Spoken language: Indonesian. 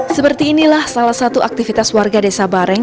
seperti inilah salah satu aktivitas warga desa bareng